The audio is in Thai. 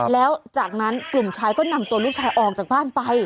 แล้วจากนั้นกลุ่มชายก็นำตัวลูกชายออกจากบ้านไป